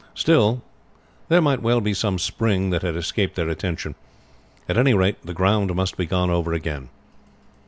Still there might well be some spring that had escaped their notice. At any rate the ground must be gone over again.